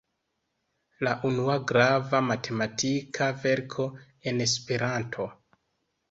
La unua grava matematika verko en Esperanto.